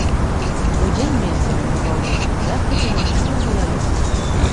Удзень месцамі па паўночным захадзе магчымы галалёд.